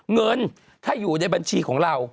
เงินถ้าอยู่ในบัญชีของเรา